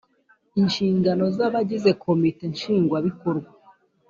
Inshingano z abagize Komite nshingwabikorwa